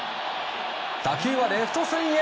打球はレフト線へ。